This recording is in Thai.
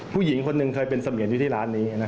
ผู้หญิงคนหนึ่งเคยเป็นเสมียนอยู่ที่ร้านนี้